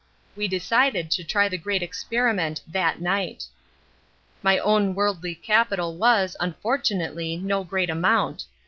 We decided to try the great experiment that night. My own worldly capital was, unfortunately, no great amount.